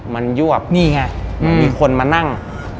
มันยวบมีคนมานั่ง